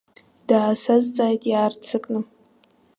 Даасазҵааит иаарццакны.